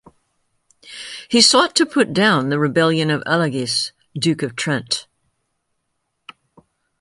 He sought to put down the rebellion of Alagis, duke of Trent.